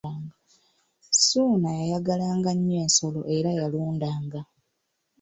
Ssuuna yayagalanga nnyo ensolo era yalundanga: